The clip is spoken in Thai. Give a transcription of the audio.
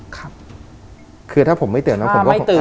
ครับคือถ้าผมไม่ตื่นแต่ละไม่ตื่น